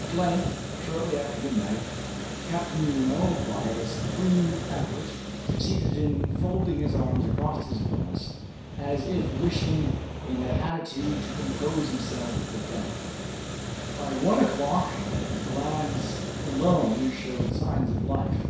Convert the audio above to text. At length, shortly after midnight, Captain Nemo by a supreme effort succeeded in folding his arms across his breast, as if wishing in that attitude to compose himself for death. By one o'clock his glance alone showed signs of life.